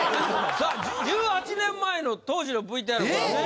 さあ１８年前の当時のＶＴＲご覧ください。